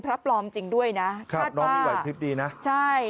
พระปลอมจริงด้วยนะ